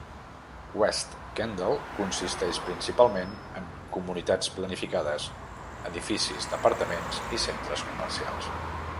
West Kendall consisteix principalment en comunitats planificades, edificis d'apartaments i centres comercials.